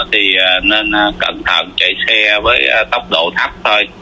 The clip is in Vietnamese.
thì nên cẩn thận chạy xe với tốc độ thấp thôi